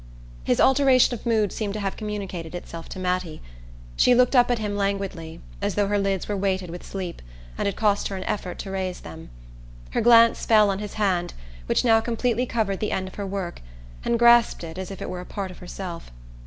His alteration of mood seemed to have communicated itself to Mattie. She looked up at him languidly, as though her lids were weighted with sleep and it cost her an effort to raise them. Her glance fell on his hand, which now completely covered the end of her work and grasped it as if it were a part of herself.